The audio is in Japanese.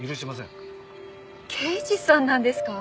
刑事さんなんですか？